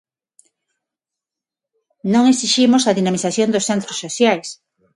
Non exiximos a dinamización dos Centros Sociais.